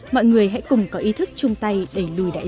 mọi người hãy cùng có ý thức chung tay đẩy lùi đại dịch